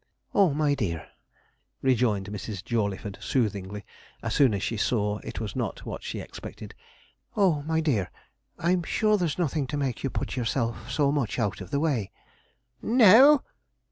'Oh, my dear,' rejoined Mrs. Jawleyford soothingly, as soon as she saw it was not what she expected. 'Oh, my dear, I'm sure there's nothing to make you put yourself so much out of the way.' 'No!'